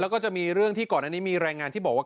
แล้วก็จะมีเรื่องที่ก่อนอันนี้มีรายงานที่บอกว่า